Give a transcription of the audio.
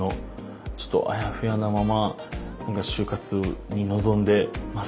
ちょっとあやふやなまま就活に臨んでました。